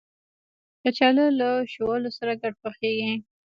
کچالو له شولو سره ګډ پخېږي